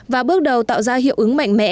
và bước đầu tạo ra hiệu ứng mạnh mẽ